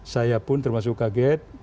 saya pun termasuk kaget